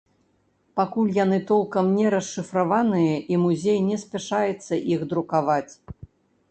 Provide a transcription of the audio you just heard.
Пакуль яны толкам не расшыфраваныя, і музей не спяшаецца іх друкаваць.